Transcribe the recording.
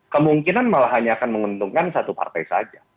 kemungkinan malah hanya akan menguntungkan satu partai saja